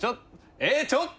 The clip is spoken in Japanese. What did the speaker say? ええちょっと！